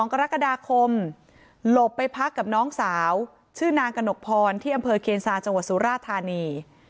กรกฎาคมหลบไปพักกับน้องสาวชื่อนางกระหนกพรที่อำเภอเคียนซาจังหวัดสุราธานี